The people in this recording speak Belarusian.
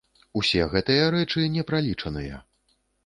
Усе гэтыя рэчы не пралічаныя.